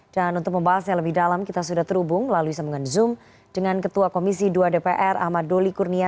dan untuk membahasnya lebih dalam kita sudah terhubung lalu bisa mengen zoom dengan ketua komisi dua dpr ahmad doli kurnia